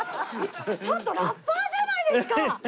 ちょっとラッパーじゃないですか！